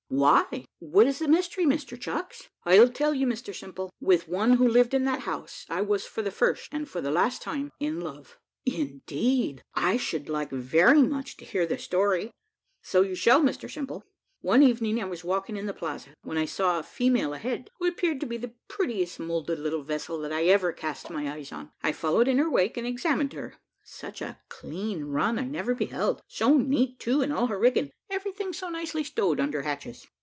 "Why, what is the mystery, Mr Chucks?" "I'll tell you, Mr Simple. With one who lived in that house, I was for the first, and for the last time, in love." "Indeed! I should like very much to hear the story." "So you shall, Mr Simple. One evening, I was walking in the Plaza, when I saw a female a head, who appeared to be the prettiest moulded little vessel that I ever cast my eyes on. I followed in her wake, and examined her; such a clean run I never beheld so neat, too, in all her rigging everything so nicely stowed under hatches.